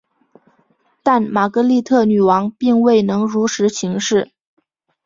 但玛格丽特女王并未能如实行事。